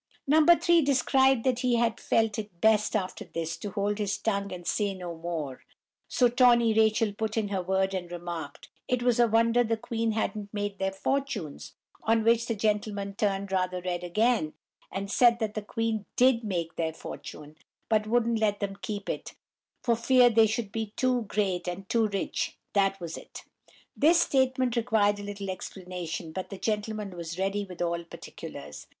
No. 3 described that he felt it best, after this, to hold his tongue and say no more, so Tawny Rachel put in her word, and remarked, it was a wonder the queen hadn't made their fortunes; on which the gentleman turned rather red again, and said that the queen did make their fortune, but wouldn't let them keep it, for fear they should be too great and too rich—that was it! This statement required a little explanation, but the gentleman was ready with all particulars.